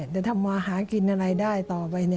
จะทำมาหากินอะไรได้ต่อไป